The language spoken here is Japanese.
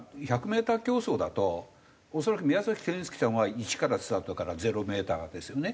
１００メーター競走だと恐らく宮崎謙介さんはイチからスタートだからゼロメーターですよね。